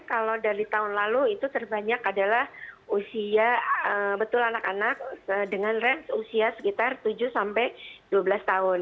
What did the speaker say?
kalau dari tahun lalu itu terbanyak adalah usia betul anak anak dengan range usia sekitar tujuh sampai dua belas tahun